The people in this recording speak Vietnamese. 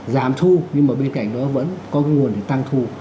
giảm thu nhưng mà bên cạnh đó vẫn có cái nguồn để tăng thu